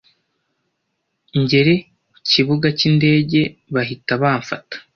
ngere kibuga cy indege bahita bamfata